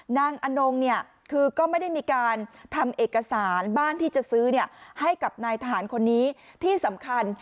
อนงเนี่ยคือก็ไม่ได้มีการทำเอกสารบ้านที่จะซื้อให้กับนายทหารคนนี้ที่สำคัญ